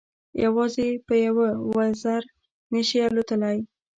یوازې په یوه وزر نه شي الوتلای.